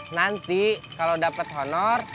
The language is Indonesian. nanti kalau dapet honor